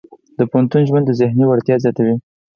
د پوهنتون ژوند د ذهني وړتیاوې زیاتوي.